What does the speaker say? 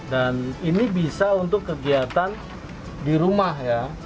dan ini bisa untuk kegiatan di rumah ya